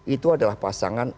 itu adalah pasangan